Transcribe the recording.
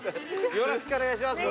よろしくお願いします。